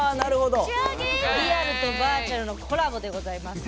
リアルとバーチャルのコラボでございます。